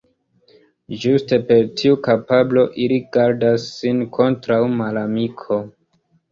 Ĝuste per tiu kapablo ili gardas sin kontraŭ malamiko.